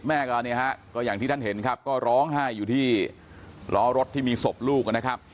แม่ก็อย่างที่ท่านเห็นครับก็ร้องไห้อยู่ที่ร้อรถที่มีศพลูก